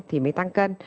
thì mới tăng cân